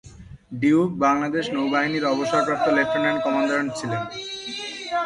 Duke Bangladesh নৌবাহিনীর অবসরপ্রাপ্ত lieutenant commander ছিলেন।